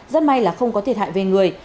rất may là không có thiệt hại về người